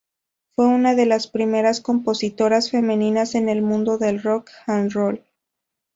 Fue una de las primeras compositoras femeninas en el mundo del rock and roll.